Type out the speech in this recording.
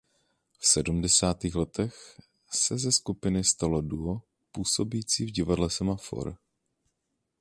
V sedmdesátých letech se ze skupiny stalo duo působící v divadle Semafor.